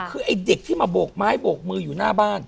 คือไอ้เด็กที่มาโบกไม้โบกมืออยู่หน้าบ้าน